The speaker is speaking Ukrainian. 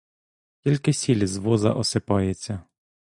Тільки сіль з воза осипається.